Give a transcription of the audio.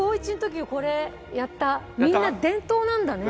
みんな伝統なんだね